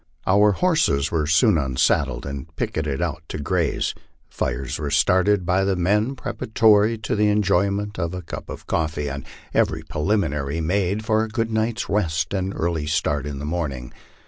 Our horses were soon unsaddled and picketed out to graze, fires were started by the men preparatory to the en joyment of a cup of coffee, and every preliminary made for a good night's rest and early start in the morning.